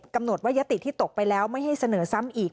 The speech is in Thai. กำหนดว่ายติที่ตกไปแล้วไม่ให้เสนอซ้ำอีก